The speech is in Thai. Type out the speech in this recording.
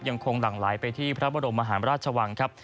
หลั่งไหลไปที่พระบรมมหาราชวังครับ